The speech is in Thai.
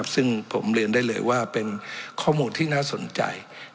ซึ่งผมเรียนได้เลยว่าเป็นข้อมูลที่น่าสนใจ